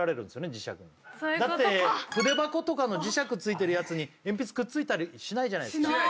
磁石にそういうことかだって筆箱とかの磁石付いてるやつに鉛筆くっついたりしないじゃないですかしない！